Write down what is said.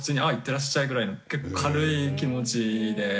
あいってらっしゃいぐらいの結構軽い気持ちで。